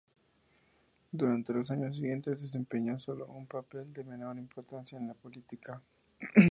Durante los años siguientes desempeñó sólo un papel de menor importancia en la política.